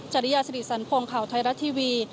จริยาสิริสันพงศ์ข่าวไทยรัฐทีวี